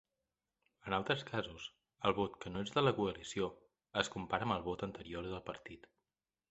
En els altres casos, el vot que no és de la coalició es compara amb el vot anterior del partit.